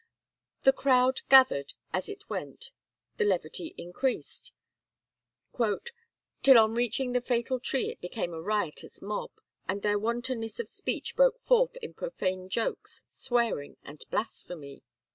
The crowd gathered as it went, the levity increased, "till on reaching the fatal tree it became a riotous mob, and their wantonness of speech broke forth in profane jokes, swearing, and blasphemy."